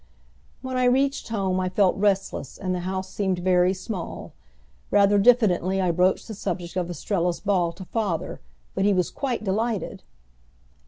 When I reached home I felt restless and the house seemed very small. Rather diffidently I broached the subject of Estrella's ball to father; but he was quite delighted.